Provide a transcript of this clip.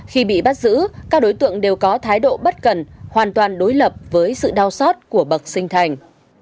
khi bị bắt giữ các đối tượng đều có thái độ bất cần hoàn toàn đối lập với sự đau xót của bậc sinh thành